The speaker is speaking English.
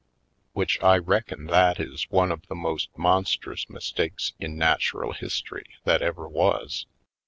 Which I reckon that is one of the most mon strous mistakes in natural history that ever was.